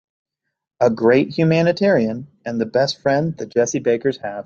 A great humanitarian and the best friend the Jessie Bakers have.